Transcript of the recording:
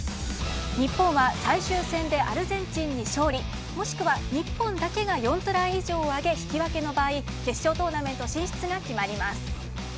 日本は最終戦でアルゼンチンに勝利、もしくは日本だけが４トライ以上を挙げ引き分けの場合決勝トーナメント進出が決まります。